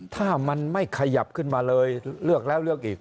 ถ้ามันไม่ขยับขึ้นมาเลยเลือกแล้วเลือกอีก